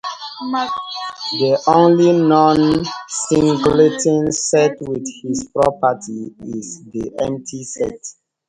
The only non-singleton set with this property is the empty set.